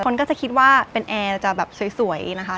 คนก็จะคิดว่าเป็นแอร์จะแบบสวยนะคะ